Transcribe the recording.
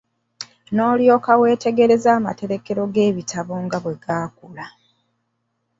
N'olyoka weetegereza amaterekero g'ebitabo nga bwe gaakula.